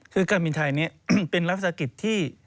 คือการบินไทยนี้เป็นรัฐศากิจที่